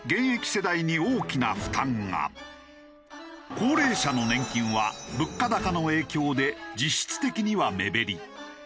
高齢者の年金は物価高の影響で実質的には目減り。